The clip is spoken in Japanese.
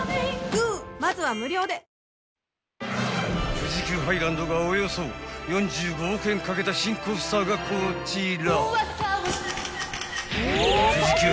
［富士急ハイランドがおよそ４５億円かけた新コースターがこちら］